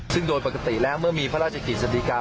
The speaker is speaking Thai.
ซึ่งโดยปกติแล้วเมื่อมีพระราชกิจสดีกา